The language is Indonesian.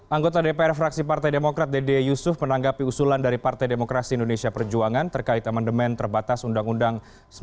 anggota dpr fraksi partai demokrat dede yusuf menanggapi usulan dari partai demokrasi indonesia perjuangan terkait amandemen terbatas undang undang seribu sembilan ratus empat puluh lima